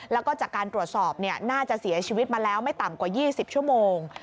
แล้วก็จากการตรวจสอบน่าจะเสียชีวิตมาแล้วไม่ต่ำกว่า๒๐ชั่วโมง